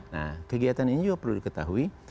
nah kegiatan ini juga perlu diketahui